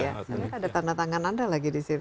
karena ada tanda tangan anda lagi di sini